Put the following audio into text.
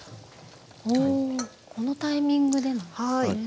このタイミングでなんですね。